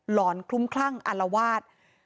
หอนคลุ้มคลั่งอารวาส